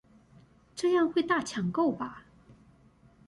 這樣會大搶購吧